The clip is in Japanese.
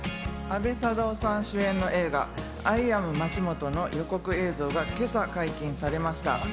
阿部サダヲさん主演の映画『アイ・アムまきもと』の予告映像が今朝解禁されました。